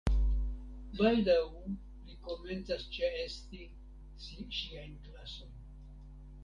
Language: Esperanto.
Baldaŭ li komencas ĉeesti ŝiajn klasojn.